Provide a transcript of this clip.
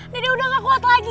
udah gak kuat lagi